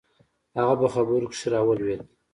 هغه په خبرو کښې راولويد.